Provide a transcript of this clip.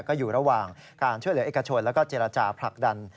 ก็อยู่ระหว่างการช่วยเหลือเอกชนแล้วก็เจรจาผลักดัน